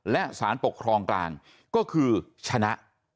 และสารปกครองกลางก็คือชนะ